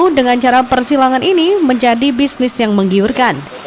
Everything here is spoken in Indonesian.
hasil persilangan ini menjadi bisnis yang menggiurkan